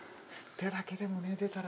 手だけでもね出たら。